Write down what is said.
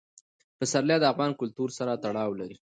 پسرلی د افغان کلتور سره تړاو لري.